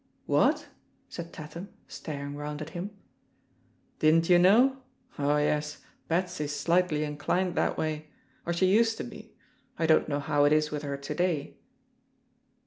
"What?" said Tatham, staring round at him. Didn't you know? Oh yes, Betsy's slightly inclined that way — or she used to be; I don't know how it is with her to day."